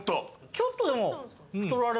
ちょっとでも。